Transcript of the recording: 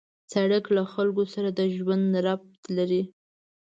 سړک له خلکو سره د ژوند ربط لري.